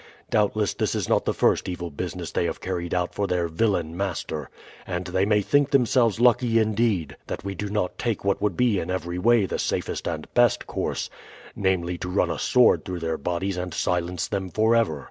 Doubtless this is not the first evil business they have carried out for their villain master, and they may think themselves lucky indeed that we do not take what would be in every way the safest and best course, namely, to run a sword through their bodies and silence them forever.